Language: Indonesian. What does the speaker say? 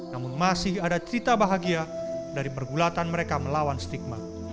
namun masih ada cerita bahagia dari pergulatan mereka melawan stigma